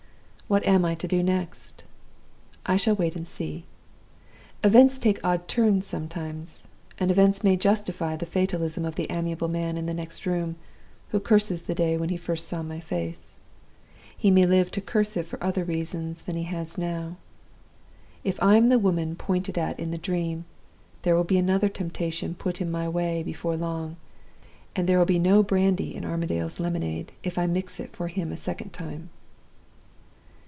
What am I to do next? I shall wait and see. Events take odd turns sometimes; and events may justify the fatalism of the amiable man in the next room, who curses the day when he first saw my face. He may live to curse it for other reasons than he has now. If I am the Woman pointed at in the Dream, there will be another temptation put in my way before long; and there will be no brandy in Armadale's lemonade if I mix it for him a second time."